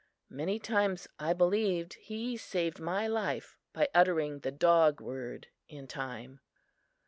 Many times I believed he saved my life by uttering the dog word in time.